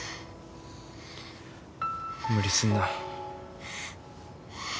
無理すんな。